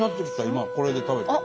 今これで食べて。